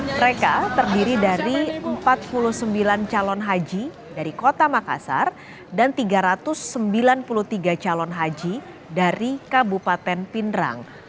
mereka terdiri dari empat puluh sembilan calon haji dari kota makassar dan tiga ratus sembilan puluh tiga calon haji dari kabupaten pindrang